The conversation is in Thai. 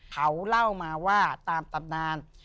เขาเล่ามาว่าตามตำนาน